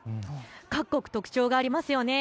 各国、特徴がありますよね。